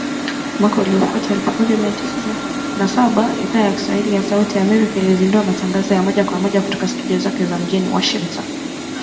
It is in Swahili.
mwaka uliofuata, elfu moja mia tisa sitini na saba, Idhaa ya Kiswahili ya Sauti ya Amerika ilizindua matangazo ya moja kwa moja kutoka studio zake mjini Washington